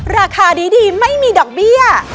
ราคาดีไม่มีดอกเบี้ย